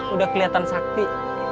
udah kelihatan sakti